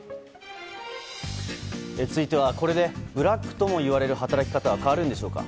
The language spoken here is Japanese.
続いては、これでブラックともいわれる働き方は変わるんでしょうか。